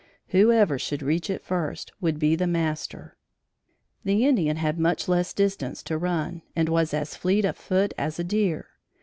Whoever should reach it first would be the master. The Indian had much less distance to run, and was as fleet of foot as a deer.